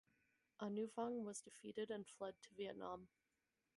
Anouvong was defeated and fled to Vietnam.